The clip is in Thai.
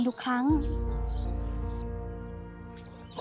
ออกไปเลย